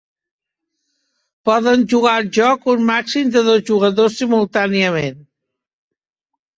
Poden jugar al joc un màxim de dos jugadors simultàniament.